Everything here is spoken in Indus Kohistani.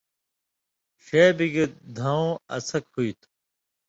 ݜے بِگیۡ دھؤں اڅھک ہُوئ تھُو۔